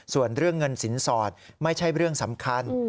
ส่วนเรื่องเงินสินสอดไม่ใช่เรื่องสำคัญ